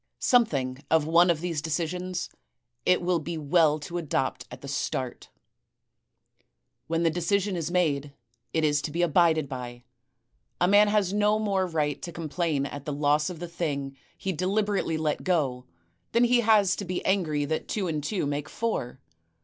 * Something of one of these decisions it will be well to adopt at the start. *' When the decision is made, it is to be abided by. A man has no more right to complain at the loss of the thing he 324 THE TECHNIQUE OF THE MYSTERY STORY deliberately let go than he has to be angry that two and two make four.